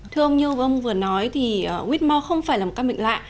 thưa ông như ông vừa nói thì whitmore không phải là một căn bệnh lạ